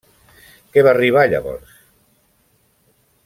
Què va arribar llavors?